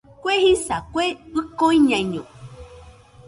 Kue jisa, Kue ɨko iñaiño